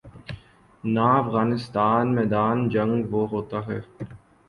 نہ افغانستان میدان جنگ وہ ہوتا ہے۔